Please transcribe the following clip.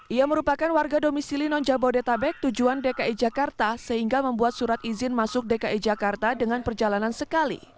ia merupakan warga domisili non jabodetabek tujuan dki jakarta sehingga membuat surat izin masuk dki jakarta dengan perjalanan sekali